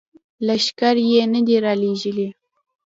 لښکر یې نه دي را لیږلي.